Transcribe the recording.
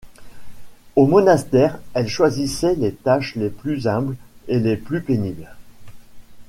Au monastère elle choisissait les tâches les plus humbles et les plus pénibles.